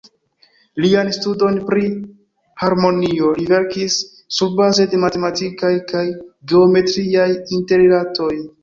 Lian studon pri harmonio, li verkis surbaze de matematikaj kaj geometriaj interrilatoj.